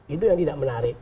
itu yang tidak menarik